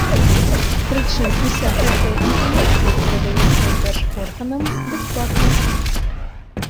Прычым уся гэтая інфармацыя перадаецца дзяржорганам бясплатна.